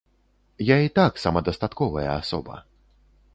Я і так самадастатковая асоба.